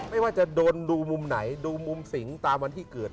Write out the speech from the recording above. ไม่ว่าจะโดนดูมุมไหนดูมุมสิงตามวันที่เกิด